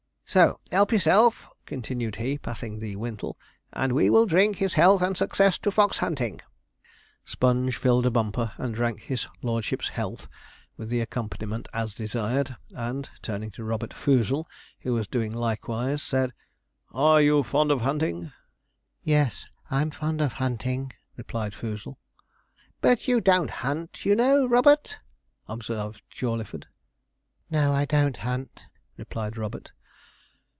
So help yourself,' continued he, passing the 'Wintle,' 'and we will drink his health and success to fox hunting.' Sponge filled a bumper and drank his lordship's health, with the accompaniment as desired; and turning to Robert Foozle, who was doing likewise, said, 'Are you fond of hunting?' 'Yes, I'm fond of hunting,' replied Foozle. 'But you don't hunt, you know, Robert,' observed Jawleyford. 'No, I don't hunt,' replied Robert.